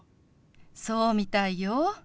そうみたいよ。